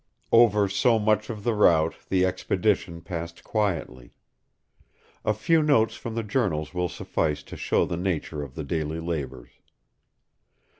Over so much of the route the expedition passed quietly. A few notes from the journals will suffice to show the nature of the daily labors.